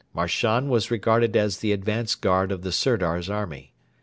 Marchand was regarded as the advance guard of the Sirdar's army.